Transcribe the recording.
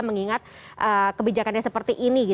mengingat kebijakannya seperti ini